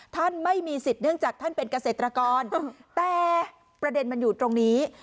ท่านไม่มีสิทธิ์เนื่องจากท่านเป็นเกษตรกรแต่ประเด็นมันอยู่ตรงนี้